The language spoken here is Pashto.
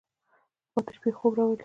باد د شپې خوب راولي